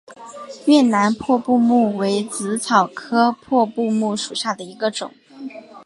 越南破布木为紫草科破布木属下的一个种。